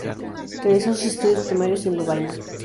Realizó sus estudios primarios en Lovaina.